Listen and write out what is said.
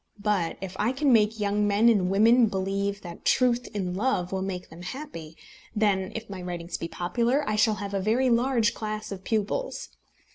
But if I can make young men and women believe that truth in love will make them happy, then, if my writings be popular, I shall have a very large class of pupils.